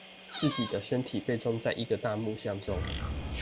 自己的身體被裝在一個大木箱中